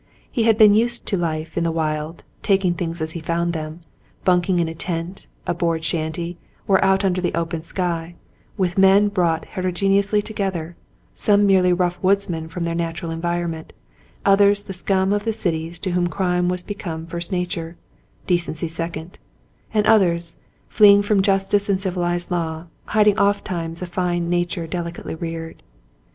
He had been used to life in the wild, taking things as he found them — bunking in a tent, a board shanty, or out under the open sky; with men brought heterogene ously together, some merely rough woodsmen in their natural environment, others the scum of the cities to whom crime was become first nature, decency second, and others, fleeing from justice and civilized law, hiding ofttimes a fine nature delicately reared.